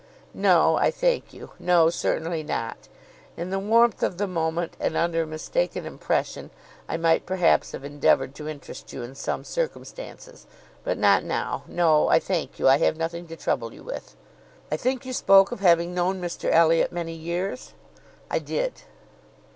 "No, I thank you: no, certainly not. In the warmth of the moment, and under a mistaken impression, I might, perhaps, have endeavoured to interest you in some circumstances; but not now. No, I thank you, I have nothing to trouble you with." "I think you spoke of having known Mr Elliot many years?" "I did."